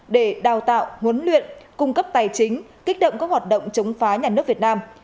để đào tạo huấn luyện cung cấp tài chính kích động các hoạt động chống phá nhà nước việt nam